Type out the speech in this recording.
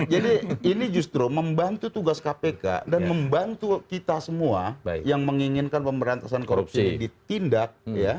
jadi ini justru membantu tugas kpk dan membantu kita semua yang menginginkan pemberantasan korupsi ditindak